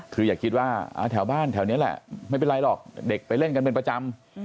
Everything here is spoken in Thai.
คืออย่าคิดว่าแถวบ้านแถวนี้แหละไม่เป็นไรหรอกเด็กไปเล่นกันเป็นประจำ